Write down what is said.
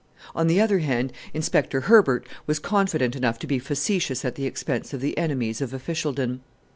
On the other hand, Inspector Herbert was confident enough to be facetious at the expense of the enemies of officialdom.